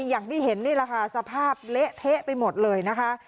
อย่างที่เห็นนี่แหละค่ะสภาพเละเทะไปหมดเลยนะคะ